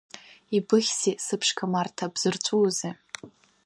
Ибыхьзеи, сыԥшқа Марҭа, бзырҵәуозеи?